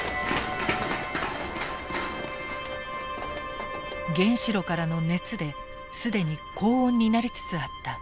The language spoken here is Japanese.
原子炉からの熱で既に高温になりつつあった現場。